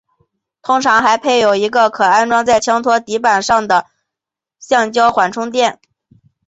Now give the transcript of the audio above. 通常还配有一个可安装在枪托底板上的橡胶缓冲垫。